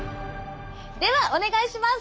ではお願いします。